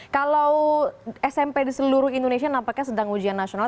kalau smp di seluruh indonesia nampaknya sedang ujian nasional